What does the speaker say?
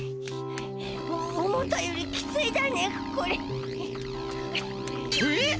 思ったよりきついだねこれ。えっ！？